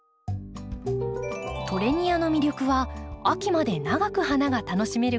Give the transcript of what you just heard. トレニアの魅力は秋まで長く花が楽しめること。